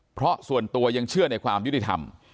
เพราะส่วนตัวยังเชื่อในความยุติธรรม